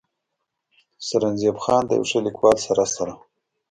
“ سرنزېب خان د يو ښه ليکوال سره سره